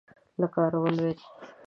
له کاره ولوېده.